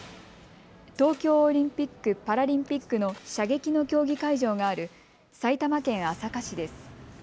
東京オリンピック・パラリンピックの射撃の競技会場がある埼玉県朝霞市です。